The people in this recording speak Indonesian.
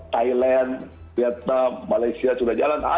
thailand vietnam malaysia sudah jalan